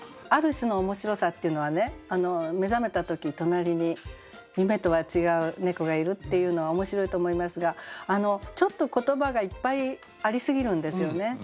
ある種の面白さっていうのはね目覚めた時隣に夢とは違う猫がいるっていうのは面白いと思いますがちょっと言葉がいっぱいありすぎるんですよね。